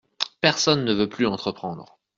Personne ne veut plus entreprendre.